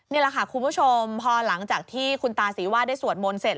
นี่แหละค่ะคุณผู้ชมพอหลังจากที่คุณตาศรีวาดได้สวดมนต์เสร็จ